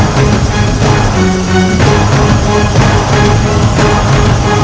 saya lebih suka dengan teman wahasan